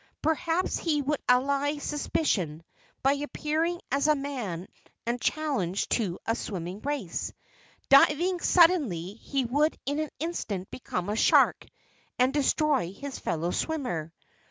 Perhaps he would allay suspicion by appearing as a man and challenge to a swimming race. Diving sud¬ denly, he would in an instant become a shark and destroy his fellow swimmer.